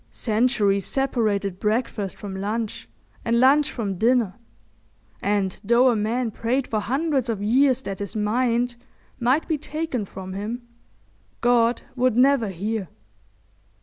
Centuries separated breakfast from lunch and lunch from dinner, and though a man prayed for hundreds of years that his mind might be taken from him, God would never hear.